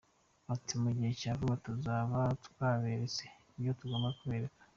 Ati: “Mu gihe cya vuba tuzaba twaberetse ibyo tugomba kubereka.”